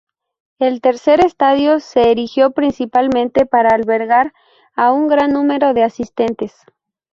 El tercer estadio se erigió principalmente para albergar a un gran número de asistentes.